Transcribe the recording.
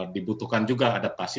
dibutuhkan juga adaptasi